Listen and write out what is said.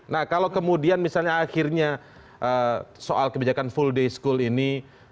nah kalau kemudian misalnya akhirnya soal kebijakan full day school ini